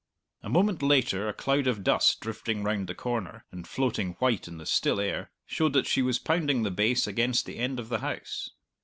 A moment later a cloud of dust drifting round the corner, and floating white in the still air, showed that she was pounding the bass against the end of the house.